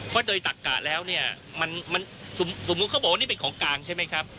เพราะโดยตักกะแล้วเนี่ยมันสมมุติเขาบอกว่านี่เป็นของกลางใช่ไหมครับ